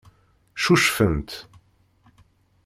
Ccucfent.